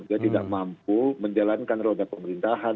dia tidak mampu menjalankan roda pemerintahan